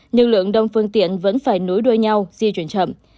nhưng lượng đông phương tiện vẫn phải nối đuôi nhau di chuyển chậm